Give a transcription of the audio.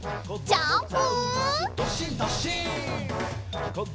ジャンプ！